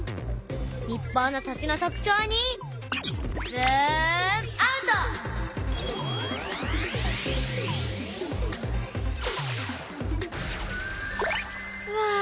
日本の土地の特徴にズームアウト！わ！